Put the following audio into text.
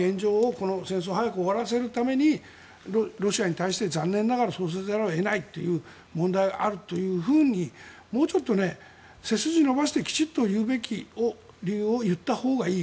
この戦争を早く終わらせるためにロシアに対して残念ながらそうせざるを得ないという問題があるというふうにもうちょっと背筋を伸ばしてきちんと言うべき理由を言ったほうがいい。